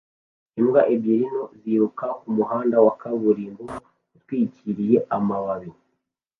Imbwa ebyiri nto ziruka kumuhanda wa kaburimbo utwikiriye amababi